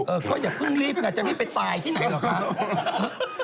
เออก็อย่าพึ่งรีบน่ะจะรีบไปตายที่ไหนหรอคะ